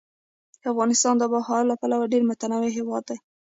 افغانستان د آب وهوا له پلوه ډېر متنوع هېواد دی.